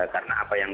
karena apa yang